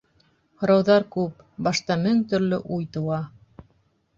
Һорауҙар күп, башта мең төрлө уй тыуа...